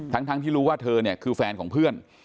ทั้งที่รู้ว่าเธอเนี่ยคือแฟนของเพื่อน